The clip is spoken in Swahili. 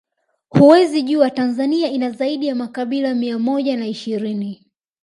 Huwezi jua Tanzania ina zaidi ya makabila mia moja na ishirini